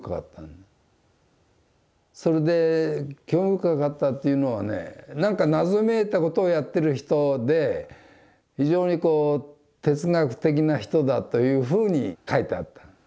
それで興味深かったっていうのはねなんか謎めいたことをやってる人で非常にこう哲学的な人だというふうに書いてあった。